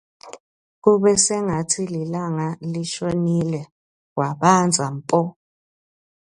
Kube sengatsi lilanga lishonile kwabandza mpo.